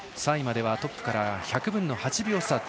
３位まではトップから１００分の８秒差。